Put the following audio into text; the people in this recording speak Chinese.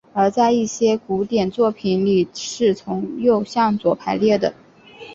而在一些古典作品里是从右向左排列的。